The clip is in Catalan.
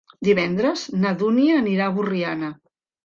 Divendres na Dúnia anirà a Borriana.